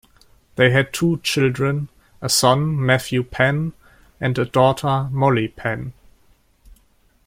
They had two children, a son, Matthew Penn and a daughter, Molly Penn.